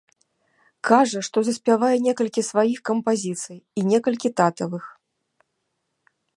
Кажа, што заспявае некалькі сваіх кампазіцый і некалькі татавых.